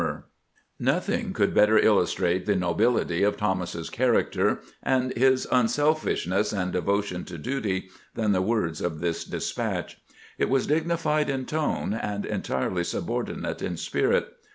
GEANT ORDERS THOMAS TO MOVE AGAINST HOOD 345 Nothing could better illustrate the nobility of Thomas's character, and his unselfishness and devotion to duty, than the words of this despatch. It was dignified in tone, and entirely subordinate in spirit.